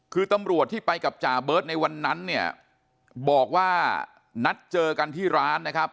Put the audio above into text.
คือตำรวจที่ไปกับจ่าเบิร์ตในวันนั้นเนี่ยบอกว่านัดเจอกันที่ร้านนะครับ